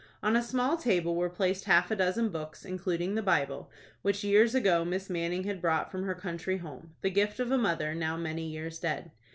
On a small table were placed half a dozen books, including the Bible, which years ago Miss Manning had brought from her country home, the gift of a mother, now many years dead.